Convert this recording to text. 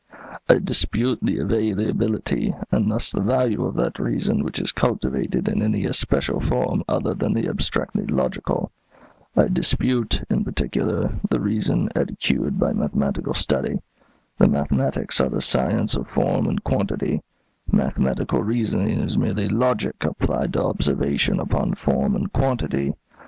"I dispute the availability, and thus the value of that reason which is cultivated in any especial form other than the abstractly logical. I dispute, in particular, the reason educed by mathematical study. The mathematics are the science of form and quantity; mathematical reasoning is merely logic applied to observation upon form and quantity.